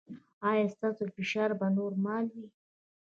ایا ستاسو فشار به نورمال وي؟